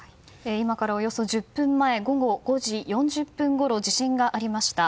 今からおよそ１０分前午後５時４０分ごろ地震がありました。